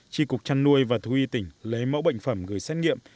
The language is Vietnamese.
tri cục trăn nuôi và thu y tỉnh lấy mẫu bệnh phẩm gửi xét nghiệm